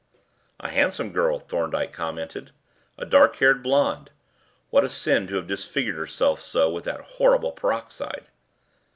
"A handsome girl," Thorndyke commented "a dark haired blonde. What a sin to have disfigured herself so with that horrible peroxide."